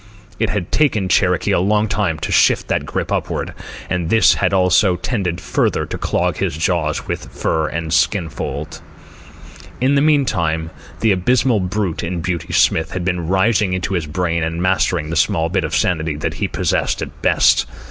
It had taken Cherokee a long time to shift that grip upward, and this had also tended further to clog his jaws with fur and skin fold. In the meantime, the abysmal brute in Beauty Smith had been rising into his brain and mastering the small bit of sanity that he possessed at best.